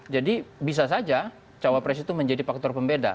jadi bisa saja cawapres itu menjadi faktor pembeda